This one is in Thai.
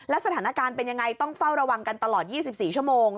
สถานการณ์เป็นยังไงต้องเฝ้าระวังกันตลอด๒๔ชั่วโมง